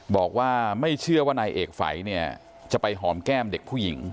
บอกว่าไม่เชื่อว่านายเอกฝัยเนี่ยจะไปหอมแก้มเด็กผู้หญิง